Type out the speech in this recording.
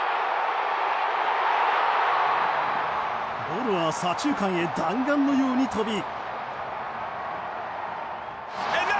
ボールは左中間へ弾丸のように飛び。